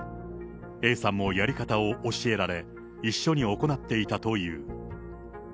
Ａさんもやり方を教えられ、一緒に行っていたという。